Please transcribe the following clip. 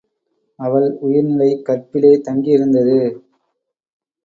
அவள் உயிர்நிலை கற்பிலே தங்கி இருந்தது.